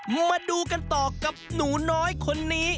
มาดูกันต่อกับหนูน้อยคนนี้